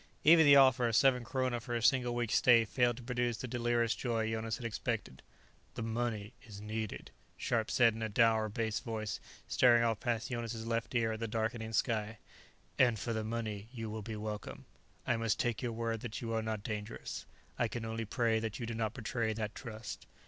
Even the offer of seven kroner for a single week's stay failed to produce the delirious joy Jonas had expected. "The money is needed," Scharpe said in a dour, bass voice, staring off past Jonas' left ear at the darkening sky. "And for the money, you will be welcome. I must take your word that you are not dangerous; I can only pray that you do not betray that trust."